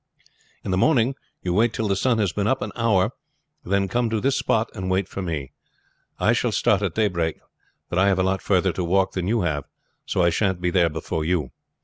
In the morning you wait till the sun has been up an hour, then come to this spot and wait for me. I shall start at daybreak, but I have a lot further to walk than you have, so I shan't be there before you.